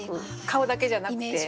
顔だけじゃなくて。